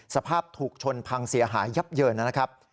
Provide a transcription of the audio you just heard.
สภาพถูกชนพังเสียหายยับเยินนะครับ